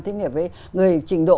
thích hợp với người trình độ